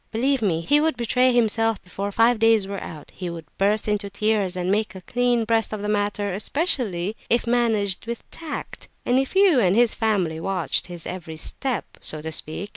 Believe me, he would betray himself before five days were out; he would burst into tears, and make a clean breast of the matter; especially if managed with tact, and if you and his family watched his every step, so to speak.